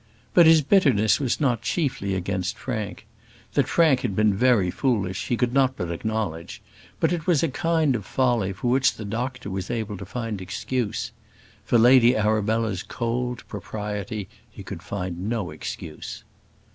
But his bitterness was not chiefly against Frank. That Frank had been very foolish he could not but acknowledge; but it was a kind of folly for which the doctor was able to find excuse. For Lady Arabella's cold propriety he could find no excuse.